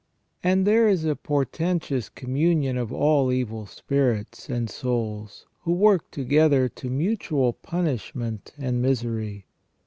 And there is a portentous communion of all evil spirits and souls, who work together to mutual punishment and misery.